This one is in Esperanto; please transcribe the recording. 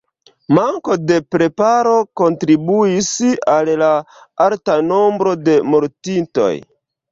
Manko de preparo kontribuis al la alta nombro de mortintoj.